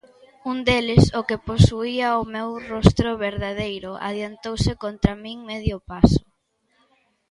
Un deles, o que posuía o meu rostro verdadeiro, adiantouse contra min medio paso.